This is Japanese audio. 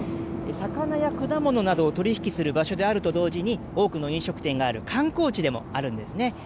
魚や果物などを取り引きする場所であると同時に、多くの飲食店がある観光地でもあるんですね。